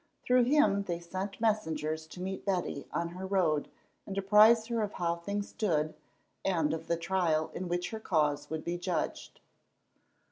Through him they sent messengers to meet Betty on her road and apprise her of how things stood, and of the trial in which her cause would be judged.